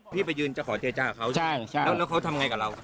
พี่ไปยืนจะขอเจจ้าเขาใช่ไหมใช่แล้วเขาทำไงกับเรา